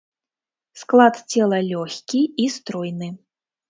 Склад цела лёгкі і стройны.